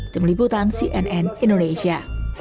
dari meliputan cnn indonesia